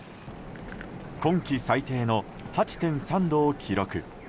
今季最低の８．３度を記録。